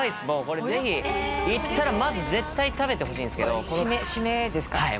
もうこれぜひ行ったらまず絶対食べてほしいんですけどシメですか？